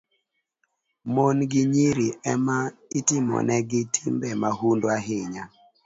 Mon gi nyiri e ma itimonegi timbe mahundu ahinya